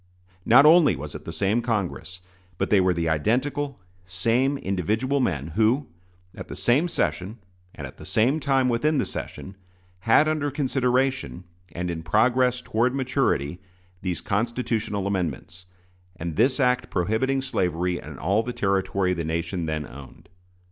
Not only was it the same Congress, but they were the identical, same individual men who, at the same session, and at the same time within the session, had under consideration, and in progress toward maturity, these constitutional amendments, and this act prohibiting slavery in all the territory the nation then owned.